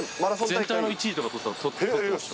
全体の１位とか取ってました。